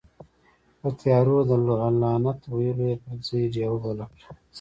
په تيارو ده لعنت ويلو پر ځئ، ډيوه بله کړه.